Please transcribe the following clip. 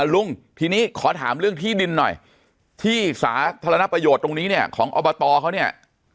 ลุงทีนี้ขอถามเรื่องที่ดินหน่อยที่สาธารณประโยชน์ตรงนี้เนี่ยของอบตเขาเนี่ย